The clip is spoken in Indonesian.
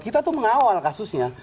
kita tuh mengawal kasusnya